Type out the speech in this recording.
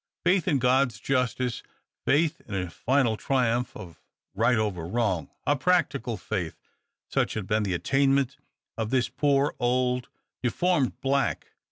Faith in God's justice, faith in a final triumph of right over wrong, a practical faith, such had been the attainment of this poor, old, deformed black.